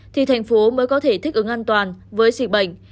thì thành phố mới có thể thích ứng an toàn với dịch bệnh